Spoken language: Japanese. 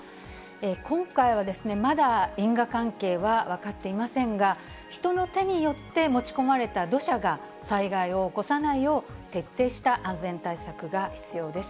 今回は、まだ因果関係は分かっていませんが、人の手によって持ち込まれた土砂が災害を起こさないよう徹底した安全対策が必要です。